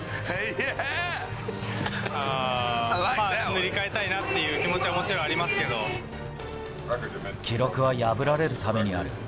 塗り替えたいなっていう気持記録は破られるためにある。